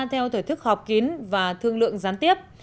theo thổi thức họp kín và thương lượng gián tiếp